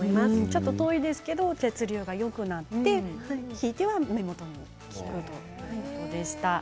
ちょっと遠いですけれども血流がよくなってひいては目元の血流もよくなるということでした。